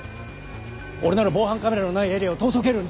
俺なら防犯カメラのないエリアを逃走経路に使う。